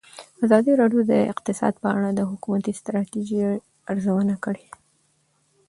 ازادي راډیو د اقتصاد په اړه د حکومتي ستراتیژۍ ارزونه کړې.